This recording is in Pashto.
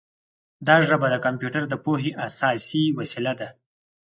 دا ژبه د کمپیوټر د پوهې اساسي وسیله ده.